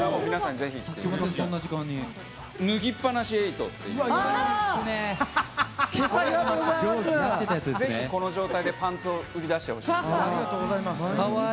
ぜひこの状態でパンツを脱ぎ出してほしいです。